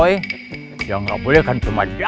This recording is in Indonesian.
yang gak boleh kan cuma dia